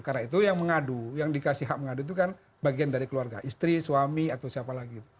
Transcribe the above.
karena itu yang mengadu yang dikasih hak mengadu itu kan bagian dari keluarga istri suami atau siapa lagi